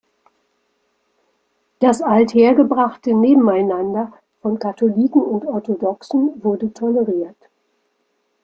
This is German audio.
Das althergebrachte Nebeneinander von Katholiken und Orthodoxen wurde toleriert.